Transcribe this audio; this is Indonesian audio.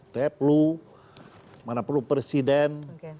mana perlu mana perlu presiden